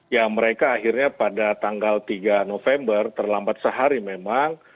ya mereka akhirnya pada tanggal tiga november terlambat sehari memang